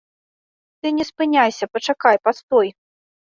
Ты не спыняйся, пачакай, пастой.